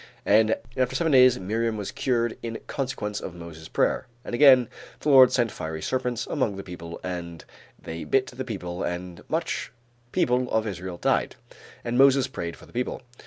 And after seven days Miriam was cured in consequence of Moses' prayer. And again, "The Lord sent fiery serpents among the people and they bit the people and much people of Israel died. And Moses prayed for the people.